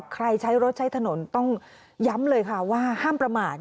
ใช้รถใช้ถนนต้องย้ำเลยค่ะว่าห้ามประมาท